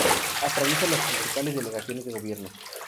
Atraviesa las principales delegaciones de gobierno.